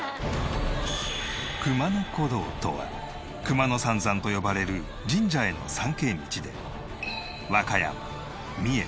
熊野古道とは熊野三山と呼ばれる神社への参詣道で和歌山三重